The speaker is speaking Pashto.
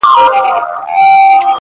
هغه بدل دی لکه غږ چي مات بنگړی نه کوي;